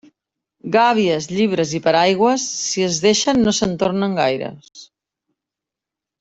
Gàbies, llibres i paraigües, si es deixen, no se'n tornen gaires.